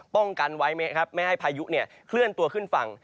ป้องกันไว้ไม่ให้พายุเคลื่อนตัวขึ้นฝั่ง